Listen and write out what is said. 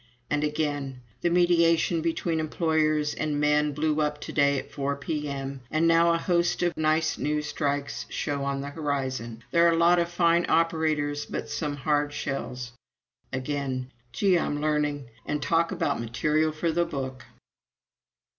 And again: "The mediation between employers and men blew up to day at 4 P.M. and now a host of nice new strikes show on the horizon. ... There are a lot of fine operators but some hard shells." Again: "Gee, I'm learning! And talk about material for the Book!"